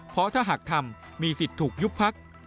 เพราะถ้าหากทำมีสิทธิ์ถูกยุบพัก